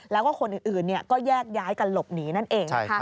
แล้วก็คนอื่นก็แยกย้ายกันหลบหนีนั่นเองนะคะ